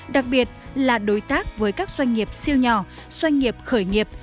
đặc biệt là đối tác với các doanh nghiệp siêu nhỏ doanh nghiệp khởi nghiệp